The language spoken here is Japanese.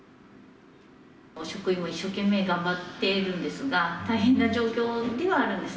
職員も一生懸命頑張っているんですが、大変な状況ではあるんです。